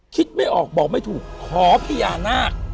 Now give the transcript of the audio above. คิดไม่ออกบอกไม่ถูกขอพญานาค